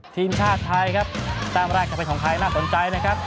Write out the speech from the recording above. ทีมชาติไทยครับแต้มแรกจะเป็นของใครน่าสนใจนะครับ